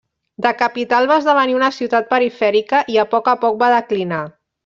De capital va esdevenir una ciutat perifèrica i a poc a poc va declinar.